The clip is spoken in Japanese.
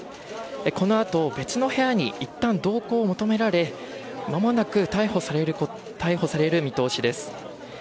この後、別の部屋にいったん同行を求められ間もなく逮捕される見通しです。